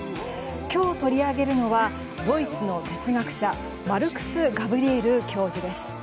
今日取り上げるのはドイツの哲学者マルクス・ガブリエル教授です。